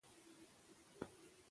اې زما وطنه د لالونو خزانې زما